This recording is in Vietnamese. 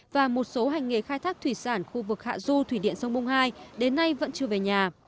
và một số hành nghề khai thác thủy sản khu vực hạ du thủy điện sông bung hai đến nay vẫn chưa về nhà